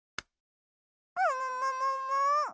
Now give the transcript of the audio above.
ももももも？